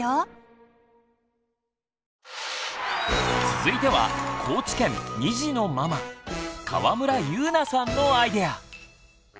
続いては高知県２児のママ川村祐奈さんのアイデア！